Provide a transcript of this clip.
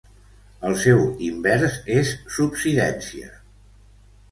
El seu invers és subsidència.